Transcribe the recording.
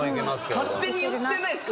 勝手に言ってないすか？